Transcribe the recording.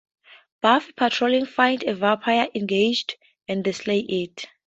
Buffy, patrolling, finds a vampire, engages, and then slays it.